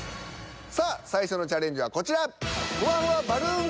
さあ最初のチャレンジはこちら。